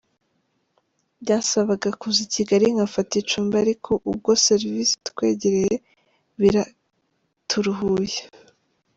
Byansabaga kuza i Kigali nkafata icumbi ariko ubwo serivise itwegereye biraturuhuye”.